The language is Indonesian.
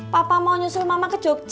papa mau nyusul mama ke jok